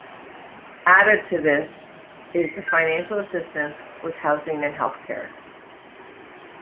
Added to this is the financial assistance with housing and health care.